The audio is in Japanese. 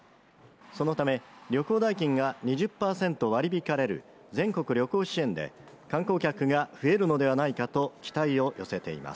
そのため旅行代金が２０％割り引かれる全国旅行支援で観光客が増えるのではないかと期待を寄せています